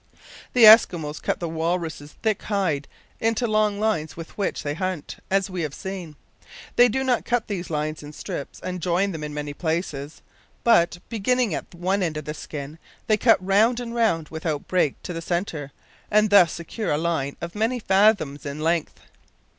The Eskimos cut the walrus' thick hide into long lines with which they hunt as we have seen. They do not cut these lines in strips and join them in many places; but, beginning at one end of the skin, they cut round and round without break to the centre, and thus secure a line of many fathoms in length.